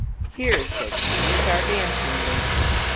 "Here," said she, "is our dancing room.